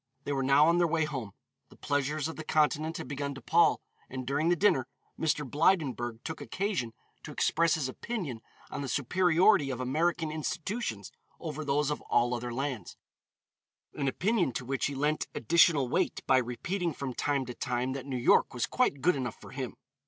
They were now on their way home; the pleasures of the Continent had begun to pall, and during the dinner, Mr. Blydenburg took occasion to express his opinion on the superiority of American institutions over those of all other lands, an opinion to which he lent additional weight by repeating from time to time that New York was quite good enough for him.